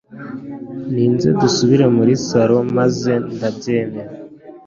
ninze dusubire muri salon maze ndabyemera